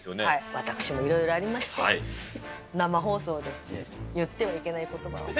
私もいろいろありまして、生放送で言ってはいけないことばを。